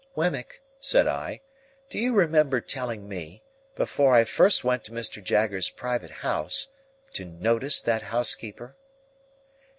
"Wemmick," said I, "do you remember telling me, before I first went to Mr. Jaggers's private house, to notice that housekeeper?"